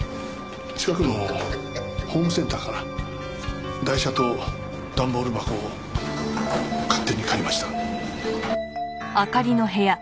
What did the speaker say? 近くのホームセンターから台車と段ボール箱を勝手に借りました。